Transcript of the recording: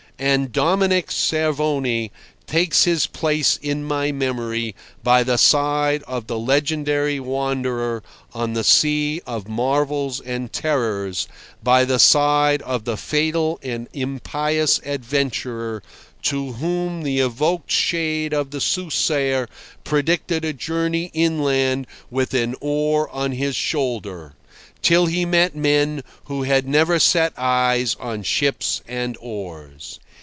And Dominic Cervoni takes his place in my memory by the side of the legendary wanderer on the sea of marvels and terrors, by the side of the fatal and impious adventurer, to whom the evoked shade of the soothsayer predicted a journey inland with an oar on his shoulder, till he met men who had never set eyes on ships and oars.